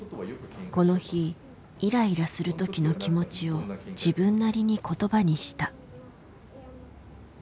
この日イライラする時の気持ちを自分なりに言葉にした。